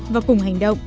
và cùng hành động